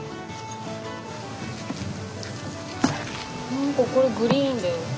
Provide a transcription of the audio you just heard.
何かこれグリーンだよ。